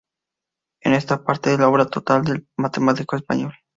Esta es una parte de la obra total del matemático español.